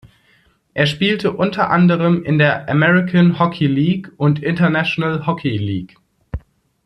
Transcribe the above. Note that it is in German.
Er spielte unter anderem in der American Hockey League und International Hockey League.